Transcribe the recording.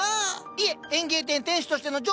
いえ園芸店店主としての常識です。